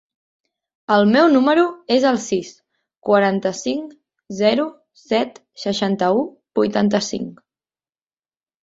El meu número es el sis, quaranta-cinc, zero, set, seixanta-u, vuitanta-cinc.